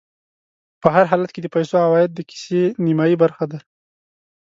په هر حالت کې د پیسو عوايد د کيسې نیمایي برخه ده